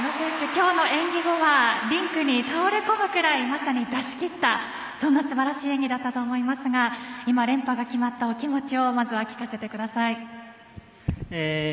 今日の演技後は、リンクに倒れ込むくらいまさに出し切ったそんな素晴らしい演技だったと思いますが今、連覇が決まったお気持ちをまずは聞かせてください。